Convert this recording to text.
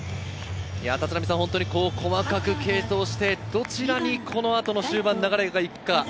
細かく継投して、どちらにこの後の終盤、流れが行くか。